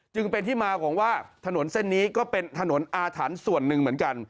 จึงเป็นที่มาของว่าถนนเส้นนี้ก็เป็นถนนอาถรรพ์ส่วนหนึ่งเหมือนกัน